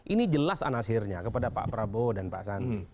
ini jelas anasirnya kepada pak prabowo dan pak sandi